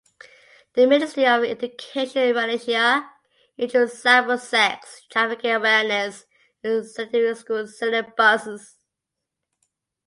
The Ministry of Education Malaysia introduced cybersex trafficking awareness in secondary school syllabuses.